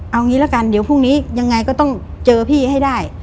เอางี้ละกันเดี๋ยวพรุ่งนี้ยังไงก็ต้องเจอพี่ให้ได้